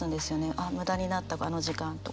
「あっ無駄になったあの時間」とか。